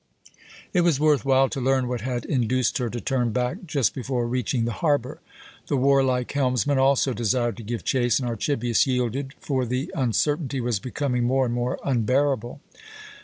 It was worth while to learn what had induced her to turn back just before reaching the harbour. The warlike helmsman also desired to give chase, and Archibius yielded, for the uncertainty was becoming more and more unbearable.